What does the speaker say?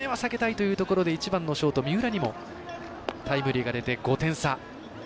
そして、岩井さんからは１０点目は避けたいというところで１番のショート、三浦にもタイムリーが出て５点差。